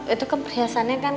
itu kan perhiasannya kan